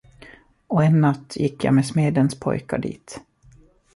Och en natt gick jag med smedens pojkar dit.